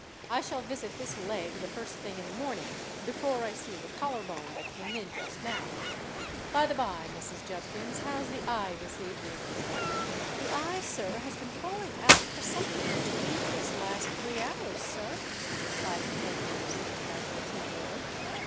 I shall visit this Leg the first thing in the morning, before I see the Collar Bone that came in just now. By the by, Mrs. Jubkins, how's the Eye this evening?" "The Eye, sir, has been calling out for somethink to eat this last three hours, sir," replied the head nurse of the Casualty Ward.